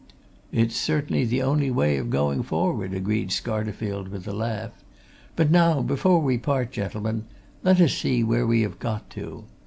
"It's certainly the only way of going forward," agreed Scarterfield with a laugh. "But now, before we part, gentlemen, let us see where we've got to.